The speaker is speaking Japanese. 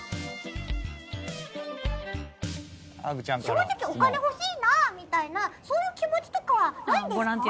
正直お金欲しいなみたいなそういう気持ちとかはないんですか？